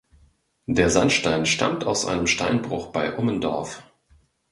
Der Sandstein stammt aus einem Steinbruch bei Ummendorf.